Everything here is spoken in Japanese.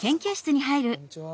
こんにちは。